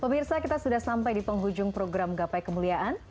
pemirsa kita sudah sampai di penghujung program gapai kemuliaan